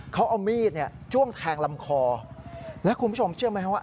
เขาเอามีดเนี่ยจ้วงแทงลำคอแล้วคุณผู้ชมเชื่อไหมครับว่า